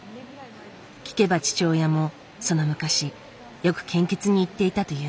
聞けば父親もその昔よく献血に行っていたという。